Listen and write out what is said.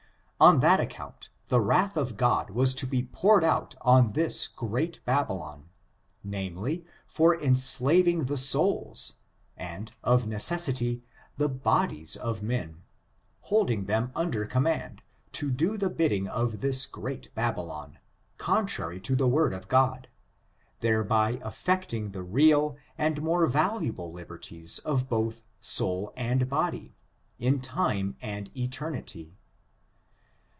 On that account, the wrath of God was to be pour ed out on this ^^ great Babylon" namely, for enslav ing the souls, and, of necessity, the bodies of men, holding them under command, to do the bidding of this ^^ great Babylon" contrary to the word of God, thereby affecting the real and more valuable liberties of both soul and body, in time and eternity.